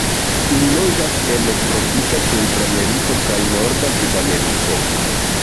Ili loĝas en tropika Centrameriko kaj norda Sudameriko.